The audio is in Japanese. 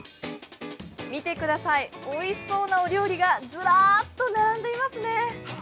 見てください、おいしそうなお料理がずらっと並んでいますね。